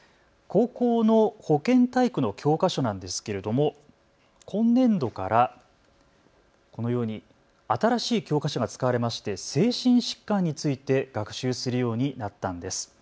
高校の保健体育の教科書なんですけれども今年度からこのように新しい教科書が使われまして精神疾患について学習するようになったんです。